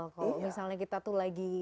kalau misalnya kita tuh lagi